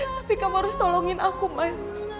tapi kamu harus tolongin aku mas